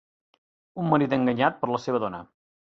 Un marit enganyat per la seva dona.